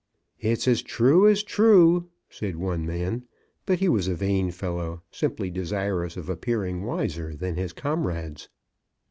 "It's as true as true," said one man; but he was a vain fellow, simply desirous of appearing wiser than his comrades.